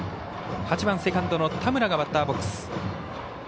８番セカンドの田村がバッターボックス。